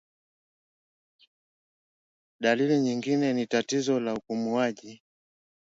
Dalili nyingine ni tatizo la upumuaji